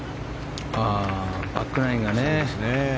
バックナインがね。